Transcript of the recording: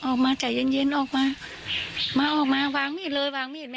ออกมาใจเย็นเย็นออกมามาออกมาวางมีดเลยวางมีดแม่